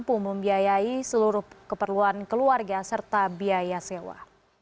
mampu membiayai seluruh keperluan keluarga serta biaya sewa